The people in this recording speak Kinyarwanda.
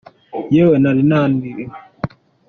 yewe, nari naniwe.